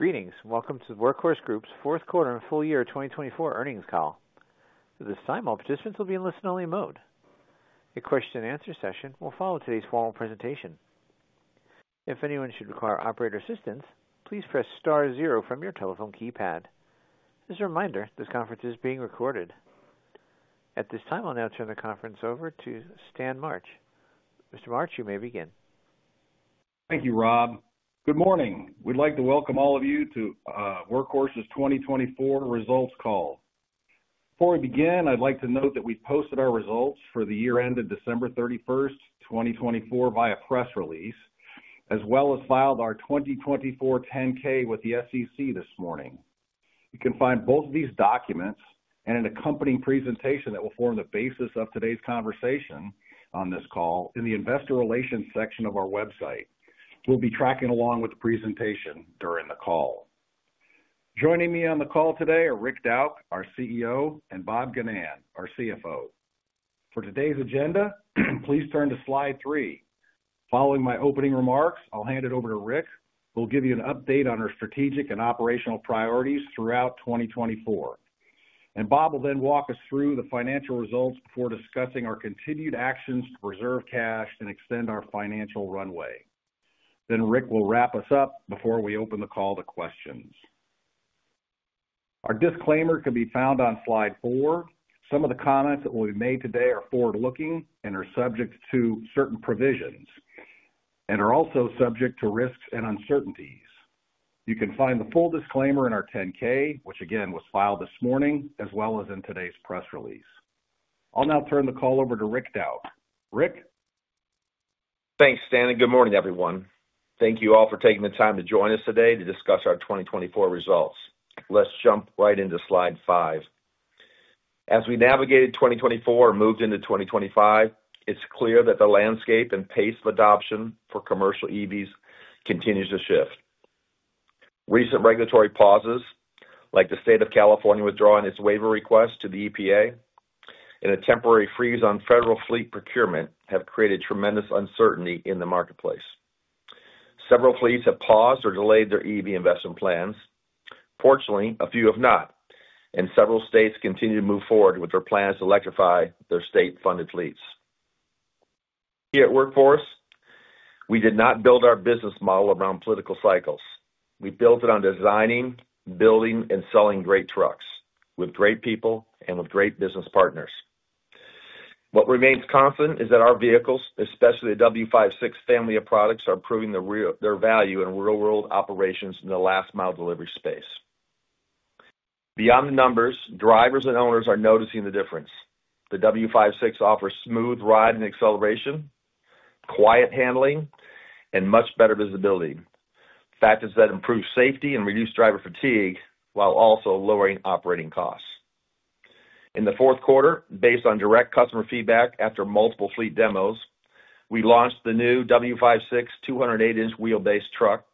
Greetings. Welcome to the Workhorse Group's fourth quarter and full year 2024 earnings call. At this time, all participants will be in listen-only mode. A question-and-answer session will follow today's formal presentation. If anyone should require operator assistance, please press star zero from your telephone keypad. As a reminder, this conference is being recorded. At this time, I'll now turn the conference over to Stan March. Mr. March, you may begin. Thank you, Rob. Good morning. We'd like to welcome all of you to Workhorse's 2024 results call. Before we begin, I'd like to note that we posted our results for the year-end of December 31, 2024, via press release, as well as filed our 2024 10-K with the SEC this morning. You can find both of these documents and an accompanying presentation that will form the basis of today's conversation on this call in the investor relations section of our website. We'll be tracking along with the presentation during the call. Joining me on the call today are Rick Dauch, our CEO, and Bob Ginnan, our CFO. For today's agenda, please turn to slide three. Following my opening remarks, I'll hand it over to Rick, who will give you an update on our strategic and operational priorities throughout 2024. Bob will then walk us through the financial results before discussing our continued actions to preserve cash and extend our financial runway. Rick will wrap us up before we open the call to questions. Our disclaimer can be found on slide four. Some of the comments that will be made today are forward-looking and are subject to certain provisions and are also subject to risks and uncertainties. You can find the full disclaimer in our 10-K, which again was filed this morning, as well as in today's press release. I'll now turn the call over to Rick Dauch. Rick. Thanks, Stan. Good morning, everyone. Thank you all for taking the time to join us today to discuss our 2024 results. Let's jump right into slide five. As we navigated 2024 and moved into 2025, it's clear that the landscape and pace of adoption for commercial EVs continues to shift. Recent regulatory pauses, like the state of California withdrawing its waiver request to the EPA and a temporary freeze on federal fleet procurement, have created tremendous uncertainty in the marketplace. Several fleets have paused or delayed their EV investment plans. Fortunately, a few have not, and several states continue to move forward with their plans to electrify their state-funded fleets. Here at Workhorse, we did not build our business model around political cycles. We built it on designing, building, and selling great trucks with great people and with great business partners. What remains constant is that our vehicles, especially the W56 family of products, are proving their value in real-world operations in the last-mile delivery space. Beyond the numbers, drivers and owners are noticing the difference. The W56 offers smooth ride and acceleration, quiet handling, and much better visibility. Factors that improve safety and reduce driver fatigue while also lowering operating costs. In the fourth quarter, based on direct customer feedback after multiple fleet demos, we launched the new W56 208-inch wheelbase truck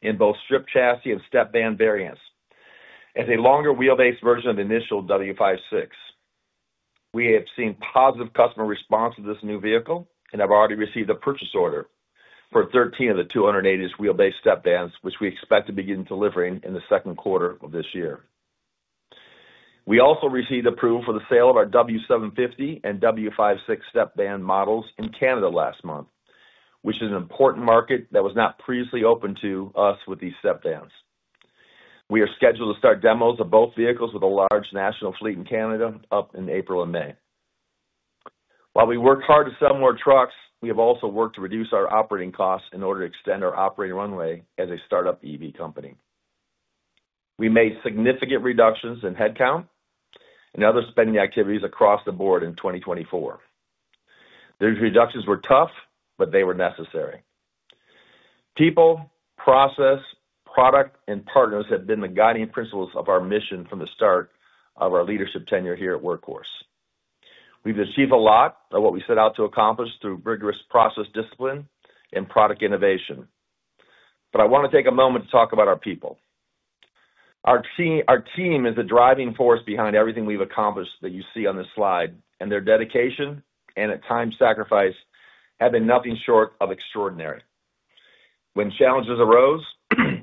in both strip chassis and step van variants as a longer wheelbase version of the initial W56. We have seen positive customer response to this new vehicle and have already received a purchase order for 13 of the 208-inch wheelbase step vans, which we expect to begin delivering in the second quarter of this year. We also received approval for the sale of our W750 and W56 step van models in Canada last month, which is an important market that was not previously open to us with these step vans. We are scheduled to start demos of both vehicles with a large national fleet in Canada in April and May. While we work hard to sell more trucks, we have also worked to reduce our operating costs in order to extend our operating runway as a startup EV company. We made significant reductions in headcount and other spending activities across the board in 2024. Those reductions were tough, but they were necessary. People, process, product, and partners have been the guiding principles of our mission from the start of our leadership tenure here at Workhorse. We've achieved a lot of what we set out to accomplish through rigorous process discipline and product innovation. I want to take a moment to talk about our people. Our team is the driving force behind everything we've accomplished that you see on this slide, and their dedication and, at times, sacrifice have been nothing short of extraordinary. When challenges arose,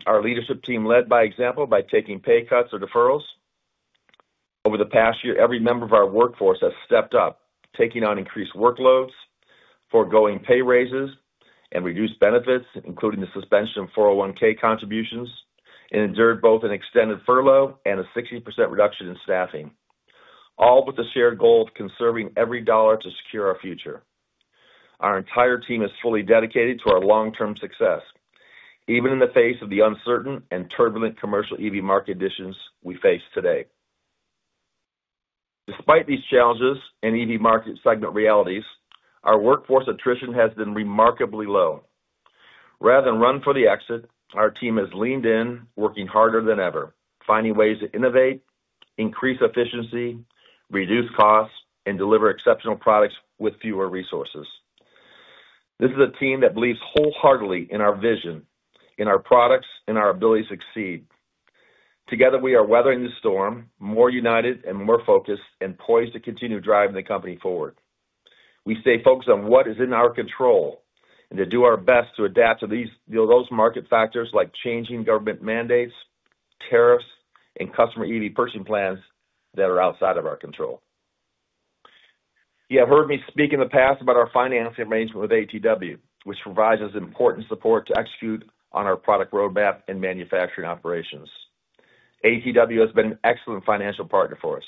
our leadership team led by example by taking pay cuts or deferrals. Over the past year, every member of our workforce has stepped up, taking on increased workloads, foregoing pay raises, and reduced benefits, including the suspension of 401(k) contributions, and endured both an extended furlough and a 60% reduction in staffing, all with the shared goal of conserving every dollar to secure our future. Our entire team is fully dedicated to our long-term success, even in the face of the uncertain and turbulent commercial EV market conditions we face today. Despite these challenges and EV market segment realities, our workforce attrition has been remarkably low. Rather than run for the exit, our team has leaned in, working harder than ever, finding ways to innovate, increase efficiency, reduce costs, and deliver exceptional products with fewer resources. This is a team that believes wholeheartedly in our vision, in our products, and our ability to succeed. Together, we are weathering the storm, more united and more focused, and poised to continue driving the company forward. We stay focused on what is in our control and to do our best to adapt to those market factors like changing government mandates, tariffs, and customer EV purchasing plans that are outside of our control. You have heard me speak in the past about our financing arrangement with ATW, which provides us important support to execute on our product roadmap and manufacturing operations. ATW has been an excellent financial partner for us.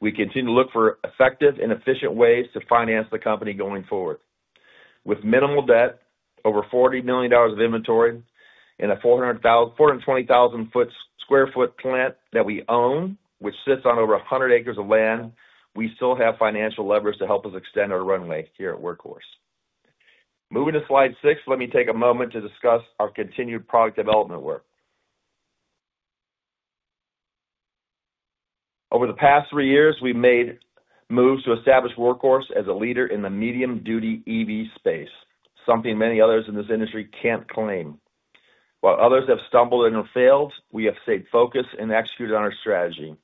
We continue to look for effective and efficient ways to finance the company going forward. With minimal debt, over $40 million of inventory, and a 420,000 sq ft plant that we own, which sits on over 100 acres of land, we still have financial leverage to help us extend our runway here at Workhorse. Moving to slide six, let me take a moment to discuss our continued product development work. Over the past three years, we've made moves to establish Workhorse as a leader in the medium-duty EV space, something many others in this industry can't claim. While others have stumbled and failed, we have stayed focused and executed on our strategy.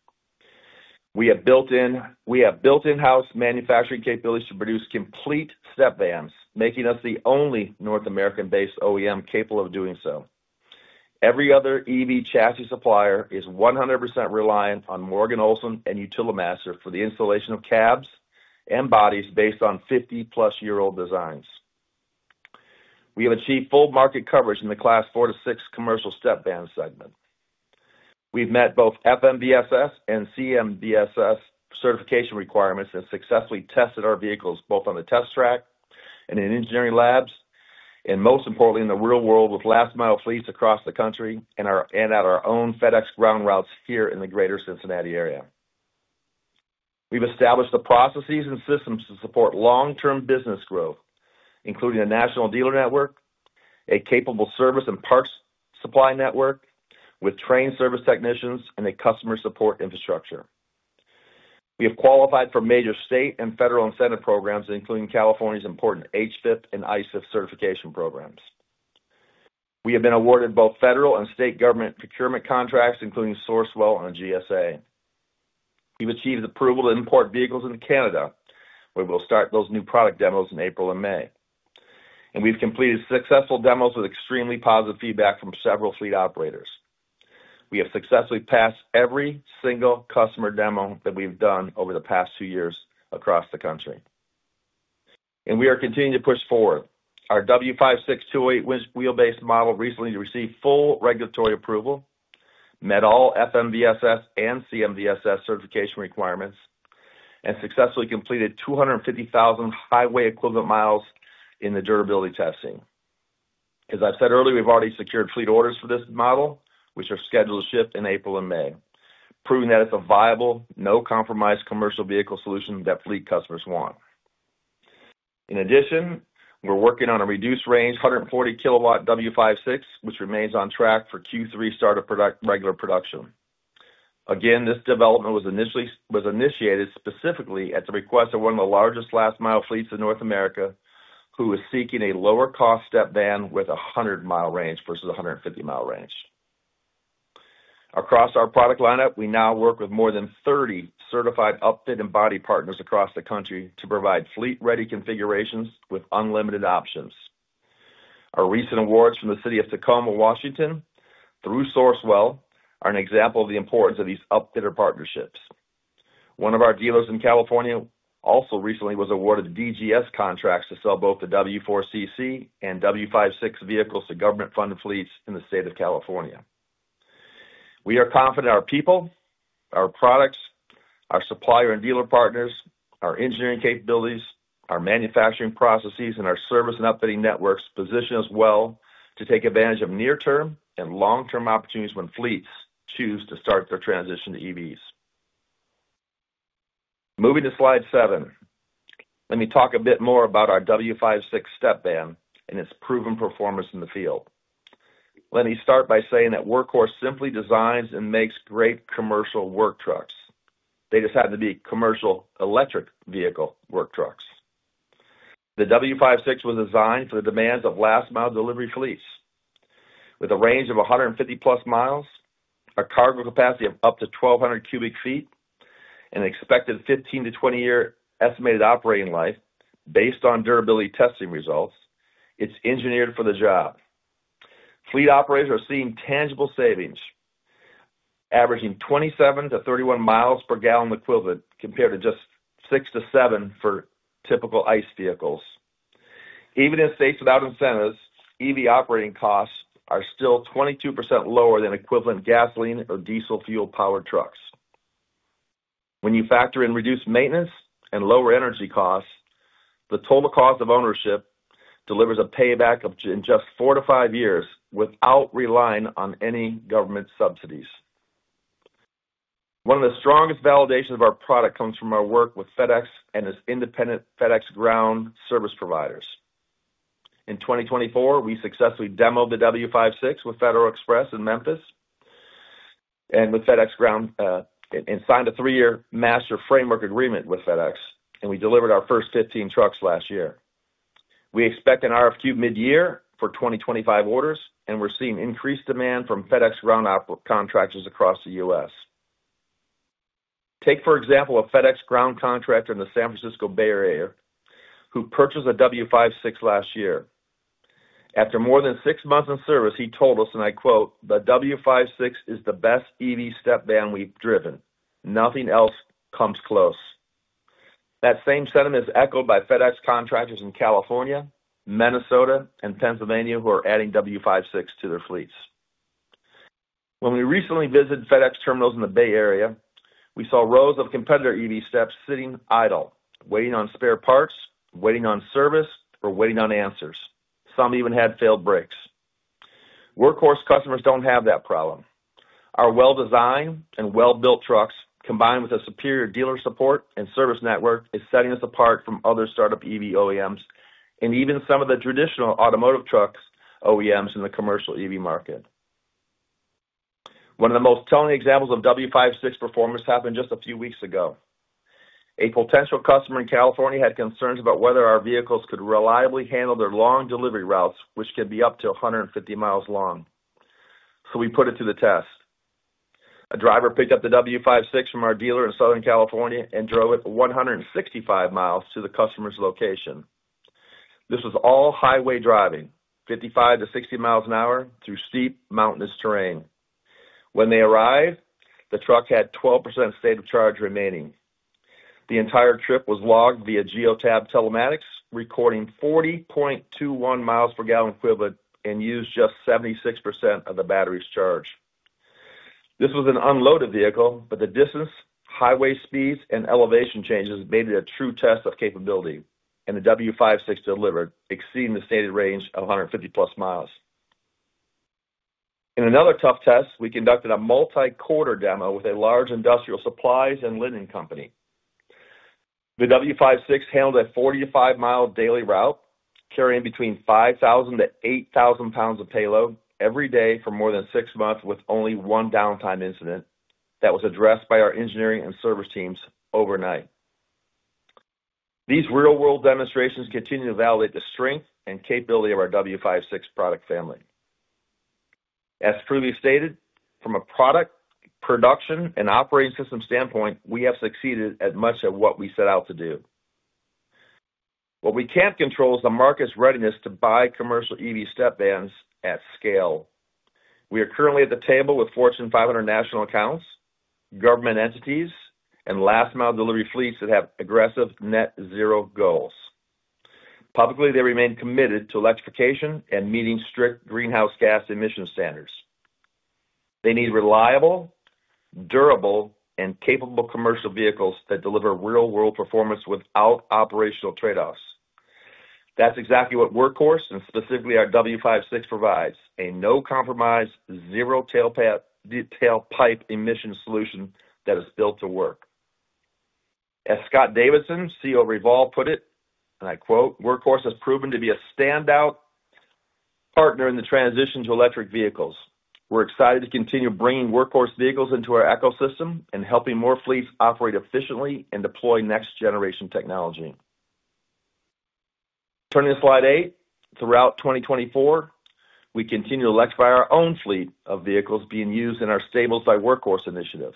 We have built in-house manufacturing capabilities to produce complete step vans, making us the only North American-based OEM capable of doing so. Every other EV chassis supplier is 100% reliant on Morgan Olson and Utilimaster for the installation of cabs and bodies based on 50-plus-year-old designs. We have achieved full market coverage in the Class 4 to 6 commercial step van segment. We've met both FMVSS and CMVSS certification requirements and successfully tested our vehicles both on the test track and in engineering labs, and most importantly, in the real world with last-mile fleets across the country and at our own FedEx ground routes here in the greater Cincinnati area. We've established the processes and systems to support long-term business growth, including a national dealer network, a capable service and parts supply network with trained service technicians, and a customer support infrastructure. We have qualified for major state and federal incentive programs, including California's important HVIP and ISEF certification programs. We have been awarded both federal and state government procurement contracts, including Sourcewell and GSA. We have achieved approval to import vehicles into Canada, where we will start those new product demos in April and May. We have completed successful demos with extremely positive feedback from several fleet operators. We have successfully passed every single customer demo that we have done over the past two years across the country. We are continuing to push forward. Our W56 208-inch wheelbase model recently received full regulatory approval, met all FMVSS and CMVSS certification requirements, and successfully completed 250,000 highway-equivalent mi in the durability testing. As I have said earlier, we have already secured fleet orders for this model, which are scheduled to ship in April and May, proving that it is a viable, no-compromise commercial vehicle solution that fleet customers want. In addition, we're working on a reduced-range 140-kilowatt W56, which remains on track for Q3 start of regular production. Again, this development was initiated specifically at the request of one of the largest last-mile fleets in North America, who is seeking a lower-cost step van with a 100-mile range versus a 150-mile range. Across our product lineup, we now work with more than 30 certified upfit and body partners across the country to provide fleet-ready configurations with unlimited options. Our recent awards from the city of Tacoma, Washington, through Sourcewell are an example of the importance of these upfitter partnerships. One of our dealers in California also recently was awarded DGS contracts to sell both the W4 CC and W56 vehicles to government-funded fleets in the state of California. We are confident our people, our products, our supplier and dealer partners, our engineering capabilities, our manufacturing processes, and our service and upfitting networks position us well to take advantage of near-term and long-term opportunities when fleets choose to start their transition to EVs. Moving to slide seven, let me talk a bit more about our W56 step van and its proven performance in the field. Let me start by saying that Workhorse simply designs and makes great commercial work trucks. They just happen to be commercial electric vehicle work trucks. The W56 was designed for the demands of last-mile delivery fleets. With a range of 150+ mi, a cargo capacity of up to 1,200 cu ft, and an expected 15-20 year estimated operating life based on durability testing results, it's engineered for the job. Fleet operators are seeing tangible savings, averaging 27-31 mi per gallon equivalent compared to just 6-7 for typical ICE vehicles. Even in states without incentives, EV operating costs are still 22% lower than equivalent gasoline or diesel fuel-powered trucks. When you factor in reduced maintenance and lower energy costs, the total cost of ownership delivers a payback in just four to five years without relying on any government subsidies. One of the strongest validations of our product comes from our work with FedEx and its independent FedEx ground service providers. In 2024, we successfully demoed the W56 with FedEx in Memphis and with FedEx ground and signed a three-year master framework agreement with FedEx, and we delivered our first 15 trucks last year. We expect an RFQ mid-year for 2025 orders, and we're seeing increased demand from FedEx ground contractors across the U.S. Take, for example, a FedEx ground contractor in the San Francisco Bay Area who purchased a W56 last year. After more than six months in service, he told us, and I quote, "The W56 is the best EV step van we've driven. Nothing else comes close." That same sentiment is echoed by FedEx contractors in California, Minnesota, and Pennsylvania who are adding W56 to their fleets. When we recently visited FedEx terminals in the Bay Area, we saw rows of competitor EV step vans sitting idle, waiting on spare parts, waiting on service, or waiting on answers. Some even had failed brakes. Workhorse customers don't have that problem. Our well-designed and well-built trucks, combined with a superior dealer support and service network, is setting us apart from other startup EV OEMs and even some of the traditional automotive truck OEMs in the commercial EV market. One of the most telling examples of W56 performance happened just a few weeks ago. A potential customer in California had concerns about whether our vehicles could reliably handle their long delivery routes, which could be up to 150 mi long. We put it to the test. A driver picked up the W56 from our dealer in Southern California and drove it 165 mi to the customer's location. This was all highway driving, 55-60 mi an hour through steep mountainous terrain. When they arrived, the truck had 12% state of charge remaining. The entire trip was logged via Geotab telematics, recording 40.21 mi per gallon equivalent and used just 76% of the battery's charge. This was an unloaded vehicle, but the distance, highway speeds, and elevation changes made it a true test of capability, and the W56 delivered, exceeding the stated range of 150+ mi. In another tough test, we conducted a multi-quarter demo with a large industrial supplies and linen company. The W56 handled a 45 mi daily route, carrying between 5,000-8,000 lbs of payload every day for more than six months with only one downtime incident that was addressed by our engineering and service teams overnight. These real-world demonstrations continue to validate the strength and capability of our W56 product family. As previously stated, from a product production and operating system standpoint, we have succeeded at much of what we set out to do. What we can't control is the market's readiness to buy commercial EV step vans at scale. We are currently at the table with Fortune 500 national accounts, government entities, and last-mile delivery fleets that have aggressive net-zero goals. Publicly, they remain committed to electrification and meeting strict greenhouse gas emission standards. They need reliable, durable, and capable commercial vehicles that deliver real-world performance without operational trade-offs. That's exactly what Workhorse and specifically our W56 provides: a no-compromise, zero-tailpipe emission solution that is built to work. As Scott Davidson, CEO of Revolv, put it, and I quote, "Workhorse has proven to be a standout partner in the transition to electric vehicles. We're excited to continue bringing Workhorse vehicles into our ecosystem and helping more fleets operate efficiently and deploy next-generation technology." Turning to slide eight, throughout 2024, we continue to electrify our own fleet of vehicles being used in our Stables by Workhorse initiative.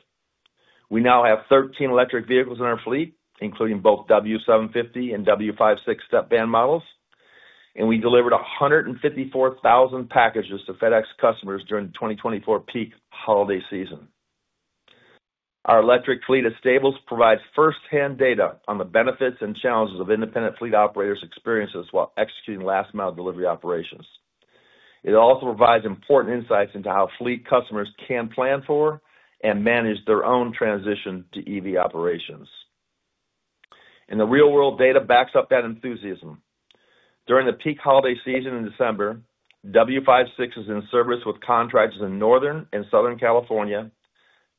We now have 13 electric vehicles in our fleet, including both W750 and W56 step van models, and we delivered 154,000 packages to FedEx customers during the 2024 peak holiday season. Our electric fleet at Stables provides firsthand data on the benefits and challenges of independent fleet operators' experiences while executing last-mile delivery operations. It also provides important insights into how fleet customers can plan for and manage their own transition to EV operations. The real-world data backs up that enthusiasm. During the peak holiday season in December, W56 is in service with contractors in Northern and Southern California,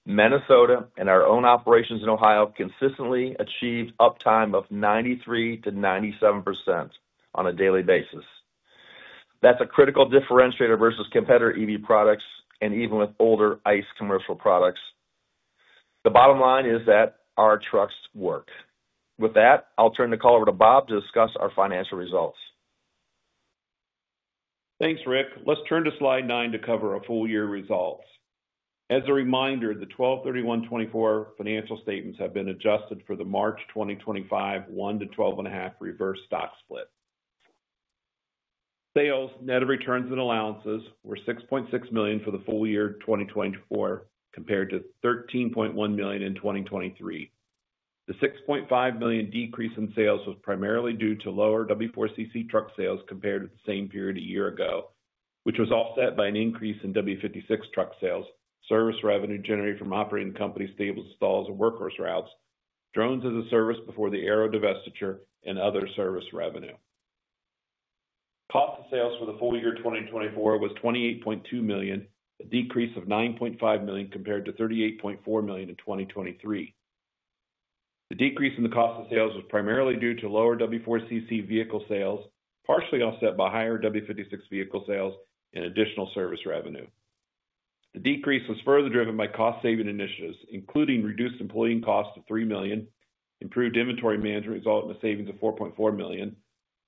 Minnesota, and our own operations in Ohio consistently achieved uptime of 93-97% on a daily basis. That's a critical differentiator versus competitor EV products and even with older ICE commercial products. The bottom line is that our trucks work. With that, I'll turn the call over to Bob to discuss our financial results. Thanks, Rick. Let's turn to slide nine to cover our full-year results. As a reminder, the 12/31/2024 financial statements have been adjusted for the March 2025 1-12.5 reverse stock split. Sales, net of returns and allowances, were $6.6 million for the full year 2024, compared to $13.1 million in 2023. The $6.5 million decrease in sales was primarily due to lower W4 CC truck sales compared to the same period a year ago, which was offset by an increase in W56 truck sales, service revenue generated from operating companies' Stables installs and Workhorse routes, drones as a service before the Aero divestiture, and other service revenue. Cost of sales for the full year 2024 was $28.2 million, a decrease of $9.5 million compared to $38.4 million in 2023. The decrease in the cost of sales was primarily due to lower W4 CC vehicle sales, partially offset by higher W56 vehicle sales and additional service revenue. The decrease was further driven by cost-saving initiatives, including reduced employee costs of $3 million, improved inventory management resulting in savings of $4.4 million,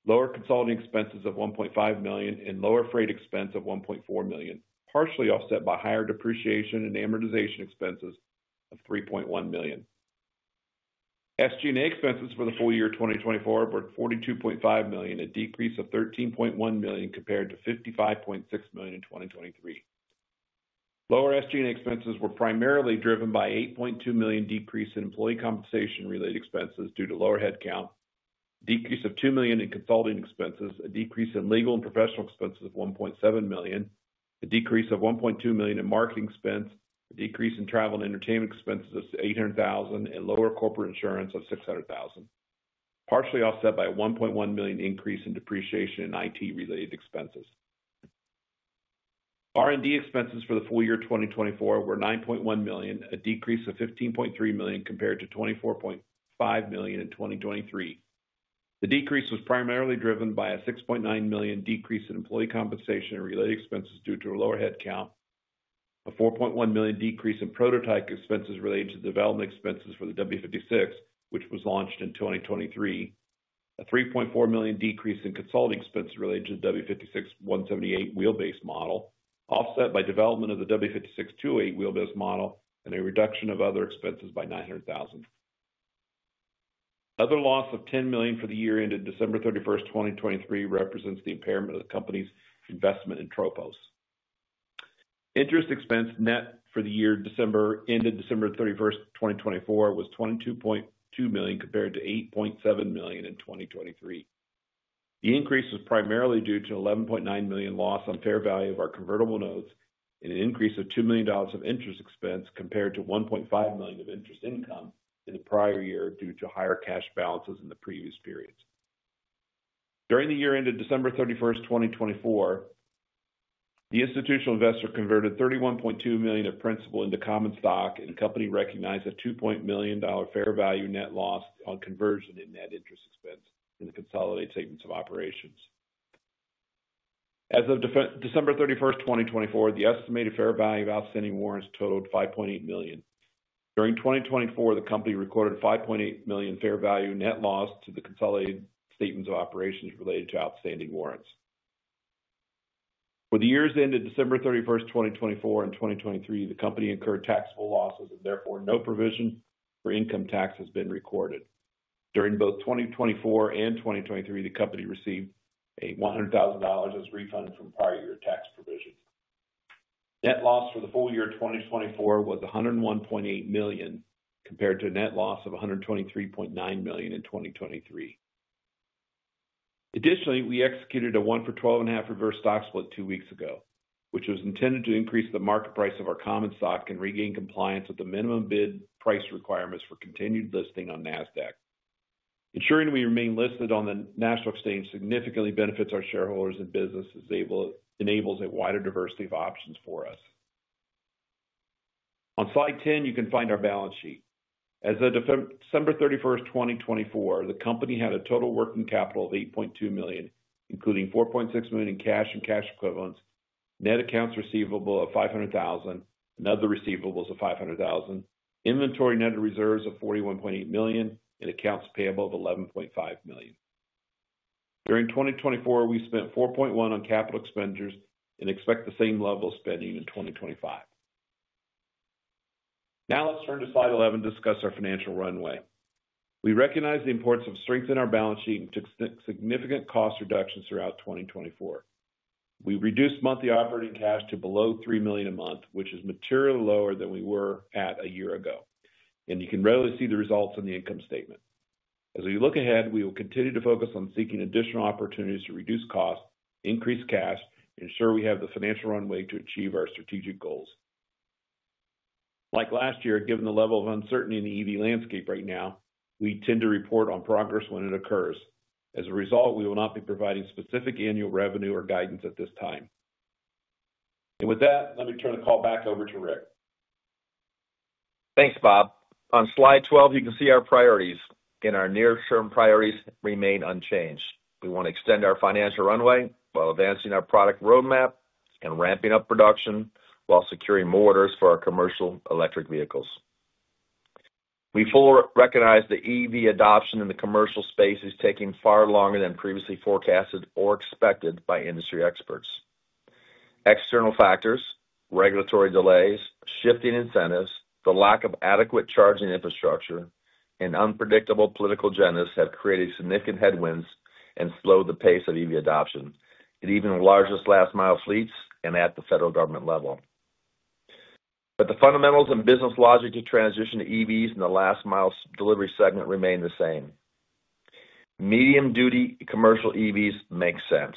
lower consulting expenses of $1.5 million, and lower freight expense of $1.4 million, partially offset by higher depreciation and amortization expenses of $3.1 million. SG&A expenses for the full year 2024 were $42.5 million, a decrease of $13.1 million compared to $55.6 million in 2023. Lower SG&A expenses were primarily driven by an $8.2 million decrease in employee compensation-related expenses due to lower headcount, a decrease of $2 million in consulting expenses, a decrease in legal and professional expenses of $1.7 million, a decrease of $1.2 million in marketing expense, a decrease in travel and entertainment expenses of $800,000, and lower corporate insurance of $600,000, partially offset by a $1.1 million increase in depreciation in IT-related expenses. R&D expenses for the full year 2024 were $9.1 million, a decrease of $15.3 million compared to $24.5 million in 2023. The decrease was primarily driven by a $6.9 million decrease in employee compensation-related expenses due to a lower headcount, a $4.1 million decrease in prototype expenses related to development expenses for the W56, which was launched in 2023, a $3.4 million decrease in consulting expenses related to the W56 178 wheelbase model, offset by development of the W56 208 wheelbase model and a reduction of other expenses by $900,000. Another loss of $10 million for the year ended December 31, 2023, represents the impairment of the company's investment in Tropos. Interest expense net for the year ended December 31, 2024, was $22.2 million compared to $8.7 million in 2023. The increase was primarily due to an $11.9 million loss on fair value of our convertible notes and an increase of $2 million of interest expense compared to $1.5 million of interest income in the prior year due to higher cash balances in the previous periods. During the year ended December 31, 2024, the institutional investor converted $31.2 million of principal into common stock, and the company recognized a $2.1 million fair value net loss on conversion in net interest expense in the consolidated statements of operations. As of December 31, 2024, the estimated fair value of outstanding warrants totaled $5.8 million. During 2024, the company recorded a $5.8 million fair value net loss to the consolidated statements of operations related to outstanding warrants. For the years ended December 31, 2024, and 2023, the company incurred taxable losses and therefore no provision for income tax has been recorded. During both 2024 and 2023, the company received a $100,000 as refunded from prior year tax provisions. Net loss for the full year 2024 was $101.8 million compared to a net loss of $123.9 million in 2023. Additionally, we executed a 1-for-12.5 reverse stock split two weeks ago, which was intended to increase the market price of our common stock and regain compliance with the minimum bid price requirements for continued listing on NASDAQ. Ensuring we remain listed on the national exchange significantly benefits our shareholders and businesses and enables a wider diversity of options for us. On slide 10, you can find our balance sheet. As of December 31, 2024, the company had a total working capital of $8.2 million, including $4.6 million in cash and cash equivalents, net accounts receivable of $500,000, another receivables of $500,000, inventory net of reserves of $41.8 million, and accounts payable of $11.5 million. During 2024, we spent $4.1 million on capital expenditures and expect the same level of spending in 2025. Now let's turn to slide 11 to discuss our financial runway. We recognize the importance of strengthening our balance sheet and significant cost reductions throughout 2024. We reduced monthly operating cash to below $3 million a month, which is materially lower than we were at a year ago. You can readily see the results in the income statement. As we look ahead, we will continue to focus on seeking additional opportunities to reduce costs, increase cash, and ensure we have the financial runway to achieve our strategic goals. Like last year, given the level of uncertainty in the EV landscape right now, we tend to report on progress when it occurs. As a result, we will not be providing specific annual revenue or guidance at this time. Let me turn the call back over to Rick. Thanks, Bob. On slide 12, you can see our priorities and our near-term priorities remain unchanged. We want to extend our financial runway while advancing our product roadmap and ramping up production while securing more orders for our commercial electric vehicles. We fully recognize the EV adoption in the commercial space is taking far longer than previously forecasted or expected by industry experts. External factors, regulatory delays, shifting incentives, the lack of adequate charging infrastructure, and unpredictable political agendas have created significant headwinds and slowed the pace of EV adoption. It even enlarged its last-mile fleets at the federal government level. The fundamentals and business logic to transition to EVs in the last-mile delivery segment remain the same. Medium-duty commercial EVs make sense.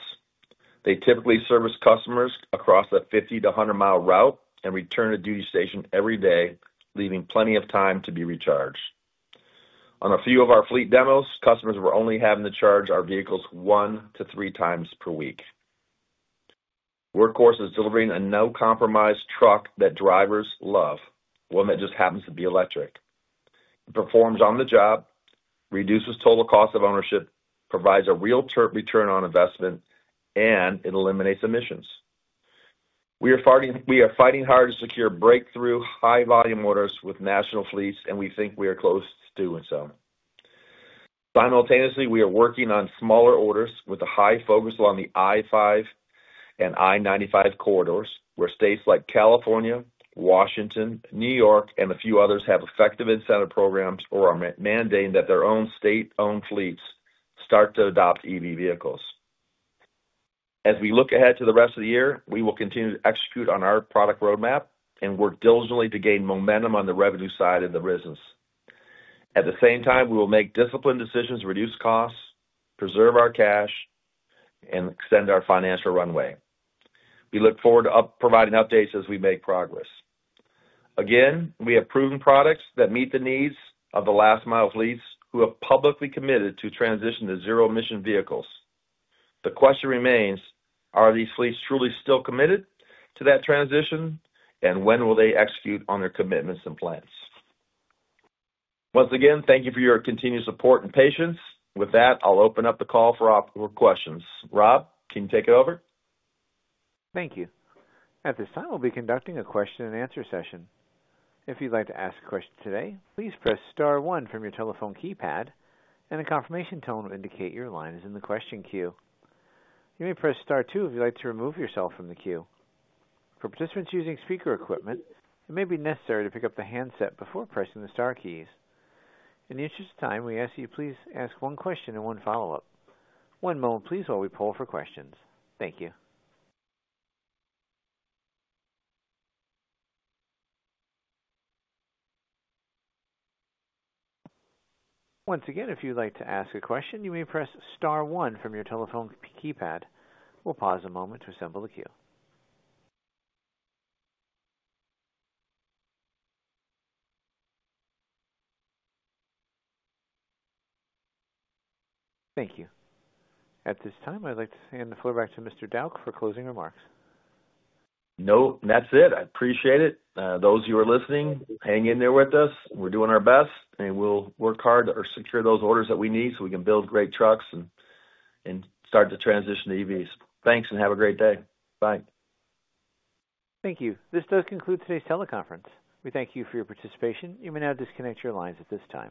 They typically service customers across the 50-100 mi route and return to duty station every day, leaving plenty of time to be recharged. On a few of our fleet demos, customers were only having to charge our vehicles one to three times per week. Workhorse is delivering a no-compromise truck that drivers love, one that just happens to be electric. It performs on the job, reduces total cost of ownership, provides a real return on investment, and it eliminates emissions. We are fighting hard to secure breakthrough high-volume orders with national fleets, and we think we are close to doing so. Simultaneously, we are working on smaller orders with a high focus on the I-5 and I-95 corridors, where states like California, Washington, New York, and a few others have effective incentive programs or are mandating that their own state-owned fleets start to adopt EV vehicles. As we look ahead to the rest of the year, we will continue to execute on our product roadmap and work diligently to gain momentum on the revenue side of the business. At the same time, we will make disciplined decisions to reduce costs, preserve our cash, and extend our financial runway. We look forward to providing updates as we make progress. Again, we have proven products that meet the needs of the last-mile fleets who have publicly committed to transition to zero-emission vehicles. The question remains, are these fleets truly still committed to that transition, and when will they execute on their commitments and plans? Once again, thank you for your continued support and patience. With that, I'll open up the call for questions. Rob, can you take it over? Thank you. At this time, we'll be conducting a question-and-answer session. If you'd like to ask a question today, please press star one from your telephone keypad, and a confirmation tone will indicate your line is in the question queue. You may press star two if you'd like to remove yourself from the queue. For participants using speaker equipment, it may be necessary to pick up the handset before pressing the star keys. In the interest of time, we ask that you please ask one question and one follow-up. One moment, please, while we pull for questions. Thank you. Once again, if you'd like to ask a question, you may press star one from your telephone keypad. We'll pause a moment to assemble the queue. Thank you. At this time, I'd like to hand the floor back to Mr. Dauch for closing remarks. No, that's it. I appreciate it. Those of you who are listening, hang in there with us. We're doing our best, and we'll work hard to secure those orders that we need so we can build great trucks and start to transition to EVs. Thanks and have a great day. Bye. Thank you. This does conclude today's teleconference. We thank you for your participation. You may now disconnect your lines at this time.